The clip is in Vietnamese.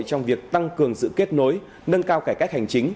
trong việc tăng cường sự kết nối nâng cao cải cách hành chính